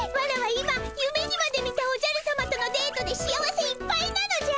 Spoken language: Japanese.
今夢にまで見たおじゃるさまとのデートで幸せいっぱいなのじゃ！